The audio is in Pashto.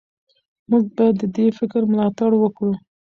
موږ باید د دې فکر ملاتړ وکړو.